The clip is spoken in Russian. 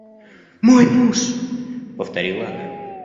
– Мой муж! – повторила она.